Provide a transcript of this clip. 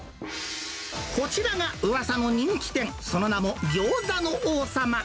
こちらがうわさの人気店、その名も餃子の王さま。